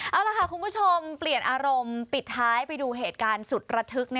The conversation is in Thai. เอาล่ะค่ะคุณผู้ชมเปลี่ยนอารมณ์ปิดท้ายไปดูเหตุการณ์สุดระทึก